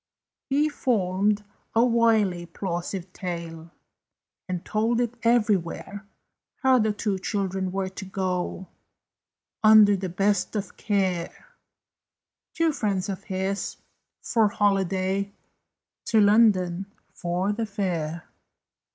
He formed a wily, plausive tale, And told it everywhere, How the two children were to go, Under the best of care Two friends of his for holiday To London, for the fair.